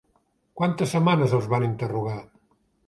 Quantes setmanes els van interrogar?